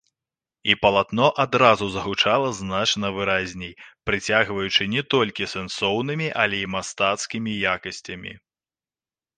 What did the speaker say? І палатно адразу загучала значна выразней, прыцягваючы не толькі сэнсоўнымі, але і мастацкімі якасцямі.